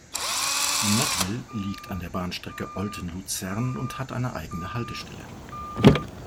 Nottwil liegt an der Bahnstrecke Olten–Luzern und hat eine eigene Haltestelle.